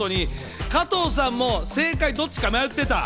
加藤さんも正解、どっちか迷ってた？